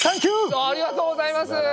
ありがとうございます！